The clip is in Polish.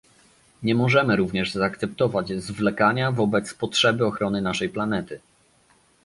Nie możemy również zaakceptować zwlekania wobec potrzeby ochrony naszej planety